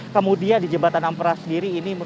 kemudian di jembatan ampera sendiri ini